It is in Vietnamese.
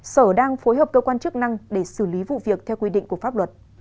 sở đang phối hợp cơ quan chức năng để xử lý vụ việc theo quy định của pháp luật